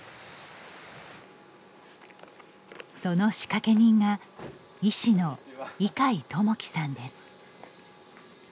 その仕掛け人が医師の井階友貴さんです。